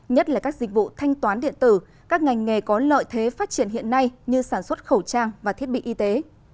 nhất là các dịch vụ thanh toán điện tử các ngành nghề có lợi thế phát triển hiện nay như sản xuất khẩu trang và thiết bị y tế